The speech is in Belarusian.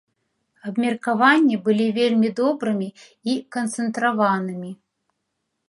Абмеркаванні былі вельмі добрымі і канцэнтраванымі.